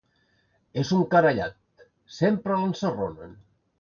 És un carallot, sempre l'ensarronen.